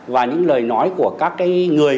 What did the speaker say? và những lời nói của các cái người